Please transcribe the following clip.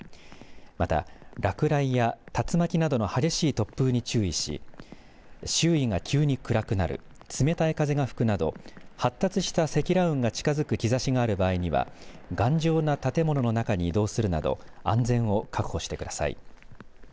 また、落雷や竜巻などの激しい突風に注意し周囲が急に暗くなる冷たい風が吹くなど発達した積乱雲が近づく兆しがある場合には頑丈な建物の中に移動するなど安全を確保してください。